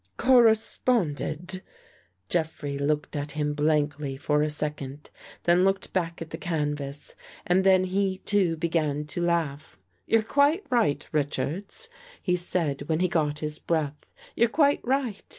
" Corresponded .. Jeffrey looked at him ^blankly for a second then looked back at the canvas. And then he, too, began to laugh. " You're quite right, Richards," he said when he got his breath. " You're quite right.